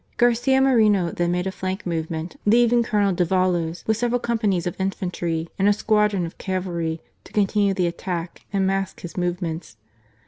Garcia Moreno then made a flank movement, leaving Colonel Davallos with several companies of infantry and a squadron of cavalry to continue the attack and mask his move ments.